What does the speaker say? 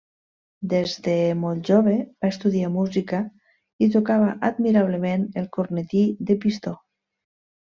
Des de molt jove va estudiar música i tocava admirablement el cornetí de pistó.